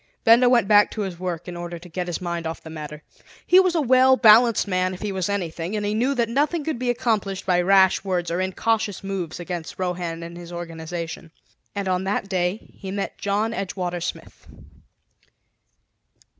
Benda went back to his work in order to get his mind off the matter. He was a well balanced man if he was anything; and he knew that nothing could be accomplished by rash words or incautious moves against Rohan and his organization. And on that day he met John Edgewater Smith.